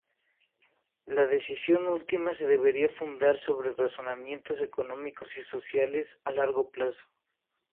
La decisión última se debería fundar sobre razonamientos económicos y sociales a largo plazo.